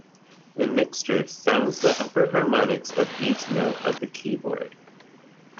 The mixture sounds the upper harmonics of each note of the keyboard.